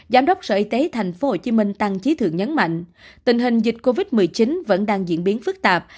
giám đốc sở y tế tp hcm tăng trí thượng nhấn mạnh tình hình dịch covid một mươi chín vẫn đang diễn biến phức tạp